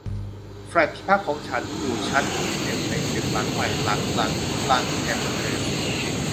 แฟลตที่พักของฉันอยู่ชั้นที่หนึ่งในตึกหลังใหม่หลังหลังลังแฮมเพลส